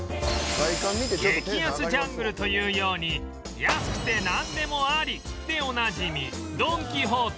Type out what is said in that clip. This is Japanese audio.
激安ジャングルというように安くてなんでもありでおなじみドン・キホーテ